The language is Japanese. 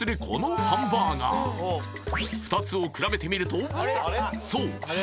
このハンバーガー２つをくらべてみるとそう！